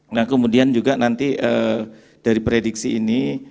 nah kemudian juga nanti dari prediksi ini